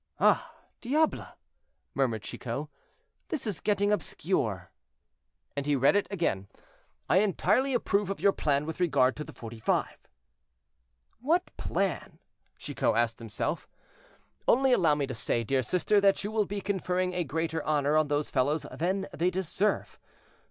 "Ah! diable!" murmured Chicot, "this is getting obscure." And he read it again. "I entirely approve of your plan with regard to the Forty five." "What plan?" Chicot asked himself. "Only allow me to say, dear sister, that you will be conferring a greater honor on those fellows than they deserve."